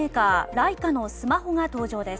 ライカのスマホが登場です。